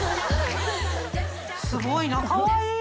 すごいなかわいい！